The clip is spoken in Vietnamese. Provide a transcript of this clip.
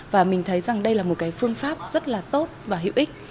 và mình thấy rằng đây là một cái phương pháp rất là tốt và hữu ích